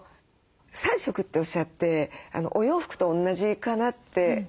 ３色っておっしゃってお洋服と同じかなって思いましたね。